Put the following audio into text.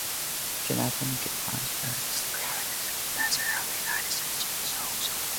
Jonathan Goodale Pratt is the current Ambassador of the United States to Djibouti.